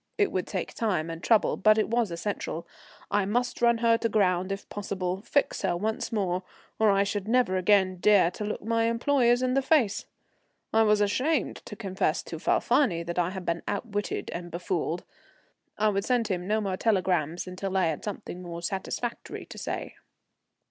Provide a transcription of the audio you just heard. It would take time and trouble, but it was essential. I must run her to ground if possible, fix her once more, or I should never again dare to look my employers in the face. I was ashamed to confess to Falfani that I had been outwitted and befooled. I would send him no more telegrams until I had something more satisfactory to say.